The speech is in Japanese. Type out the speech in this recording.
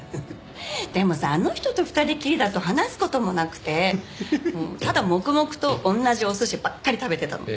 でもさあの人と２人っきりだと話す事もなくてただ黙々と同じお寿司ばっかり食べてたの。